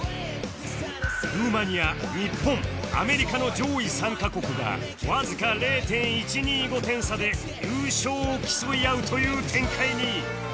ルーマニア日本アメリカの上位３カ国がわずか ０．１２５ 点差で優勝を競い合うという展開に！